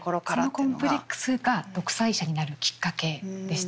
そのコンプレックスが独裁者になるきっかけでしたね。